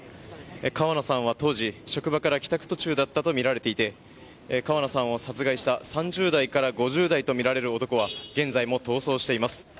川野さんは当時、職場から帰宅途中だったとみられていて川野さんを殺害した３０代から５０代とみられる男は現在も逃走しています。